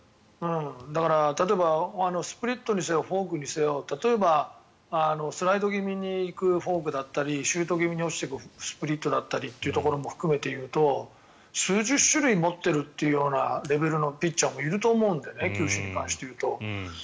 だから、例えばスプリットにせよフォークにせよ例えばスライド気味に行くフォークだったりシュート気味に落ちていくスプリットだったりということも含めて言うと数十種類持っているというレベルのピッチャーもいると思うのでね球種に関して言うと。